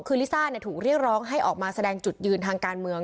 คือลิซ่าถูกเรียกร้องให้ออกมาแสดงจุดยืนทางการเมือง